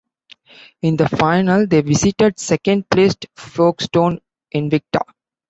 In the final, they visited second-placed Folkestone Invicta.